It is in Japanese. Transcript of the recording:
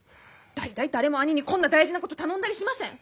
大体誰も兄にこんな大事なこと頼んだりしません！